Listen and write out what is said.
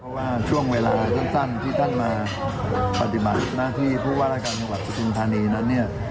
เพราะว่าช่วงเวลาจันทรรพ์ที่ท่านมาปฏิบัติหน้าที่ผู้ว่าระกันกับประชุมธรรมนี้